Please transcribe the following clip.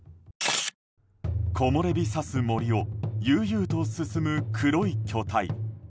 木漏れ日差す森を悠々と進む黒い巨体。